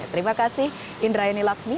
terima kasih indra yani lakshmi